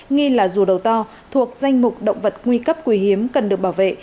nghi là rùa đầu to thuộc danh mục động vật nguy cấp quý hiếm cần được bảo vệ